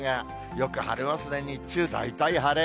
よく晴れますね、日中、大体晴れ。